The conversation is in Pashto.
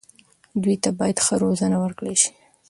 دوی ته باید ښه روزنه ورکړل شي.